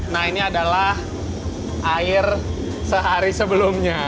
nah ini adalah air sehari sebelumnya